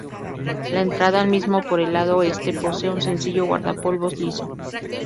La entrada al mismo, por el lado oeste, posee un sencillo guardapolvos liso.